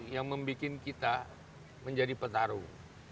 yang membuat kita menjadi petarung